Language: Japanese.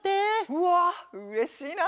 うわっうれしいな！